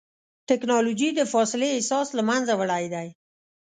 ټکنالوجي د فاصلې احساس له منځه وړی دی.